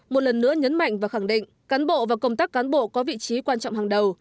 một lần nữa nhấn mạnh và khẳng định cán bộ và công tác cán bộ có vị trí quan trọng hàng đầu